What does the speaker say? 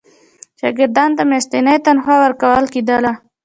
شاګردانو ته میاشتنی تنخوا ورکول کېدله.